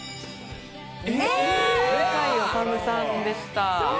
向井理さんでした。